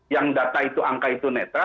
yang data itu angka itu netra